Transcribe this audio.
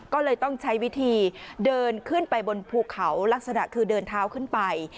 ก็เลยต้องใช้วิธีเดินขึ้นไปบนภูเขาลักษณะคือเดินเท้าขึ้นไป